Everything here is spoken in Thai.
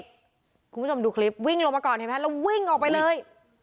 คุณผู้ชมดูคลิปวิ่งลงมาก่อนเห็นไหมแล้ววิ่งออกไปเลย